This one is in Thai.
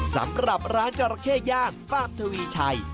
สำหรับร้านจราเข้ย่างฟาร์มทวีชัย